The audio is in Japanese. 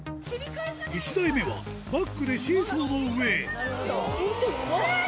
１台目はバックでシーソーの上へ運転うまっ！